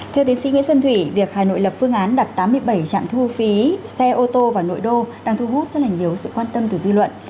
thưa tiến sĩ nguyễn xuân thủy việc hà nội lập phương án đặt tám mươi bảy trạm thu phí xe ô tô vào nội đô đang thu hút rất là nhiều sự quan tâm từ dư luận